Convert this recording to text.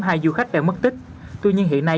hai du khách đang mất tích tuy nhiên hiện nay